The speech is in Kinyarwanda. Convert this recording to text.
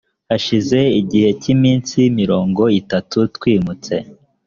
hashize igihe cy’iminsi mirongo itatu twimutse